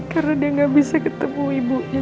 karena dia gak bisa ketemu ibunya